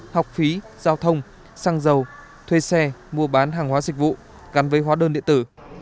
học phí giao thông xăng dầu thuê xe mua bán hàng hóa dịch vụ gắn với hóa đơn điện tử